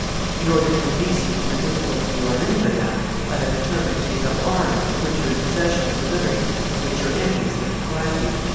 ; in order to release you from the difficulty you are in, Madame, I have determined to take up arms to put you in possession of the liberty of which your enemies have deprived you."